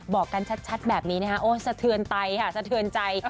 บอกกันชัดแบบนี้นะคะโอ้สะเทือนใจค่ะสะเทือนใจ